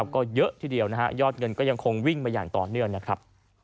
ก็เยอะทีเดียวนะฮะยอดเงินก็ยังคงวิ่งมาอย่างต่อเนื่องนะครับ